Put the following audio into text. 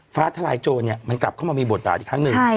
ฟ้าทลายโจทย์เนี่ยมันกลับเข้ามามีบทตาอีกครั้งหนึ่ง